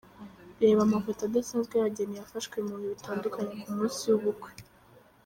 Reba amafoto adasanzwe y’abageni yafashwe mu bihe bitandukanye ku munsi w’ubukwe:.